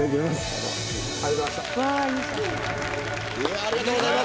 ありがとうございます。